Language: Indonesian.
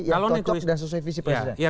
yang cocok sudah sesuai visi presiden